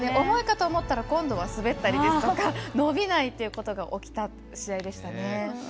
重いかと思ったら今度は滑ったりとか伸びないっていうことが起きた試合でしたね。